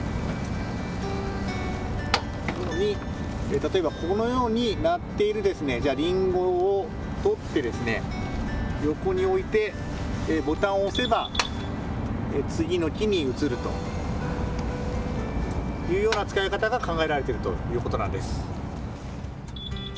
例えばこのように、なっているりんごをとって、横に置いて、ボタンを押せば、次の木に移るというような使い方が考えられているということなんです。